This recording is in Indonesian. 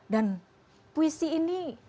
dan puisi ini